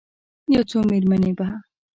یو څو میرمنې به،